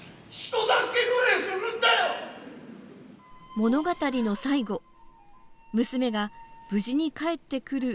物語の最後娘が無事に帰ってくる見せ場。